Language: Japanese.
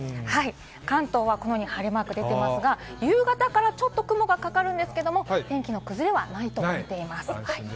関東はこのように晴れマーク出てますが、夕方からちょっと雲がかかるんですけれど、天気の崩れはないと見ています。